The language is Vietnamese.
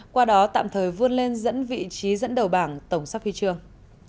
qua đó tạm thời vươn lên dẫn vị trí dẫn đầu bảng tổng sắp huy chương